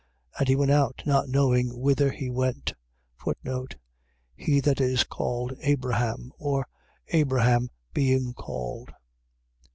And he went out, not knowing whither he went. He that is called Abraham. . .or, Abraham being called.